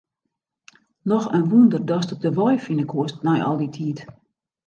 Noch in wûnder datst de wei fine koest nei al dy tiid.